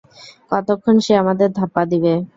কতক্ষণ সে আমাদের ধাপ্পা দিবে?